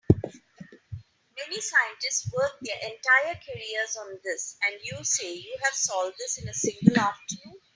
Many scientists work their entire careers on this, and you say you have solved this in a single afternoon?